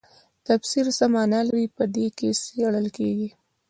تفسیر څه مانا لري په دې کې څیړل کیږي.